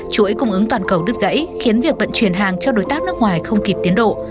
chuỗi cung ứng toàn cầu đứt gãy khiến việc vận chuyển hàng cho đối tác nước ngoài không kịp tiến độ